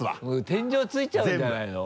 天井ついちゃうんじゃないの？